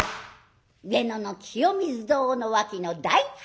上野の清水堂の脇の大般若桜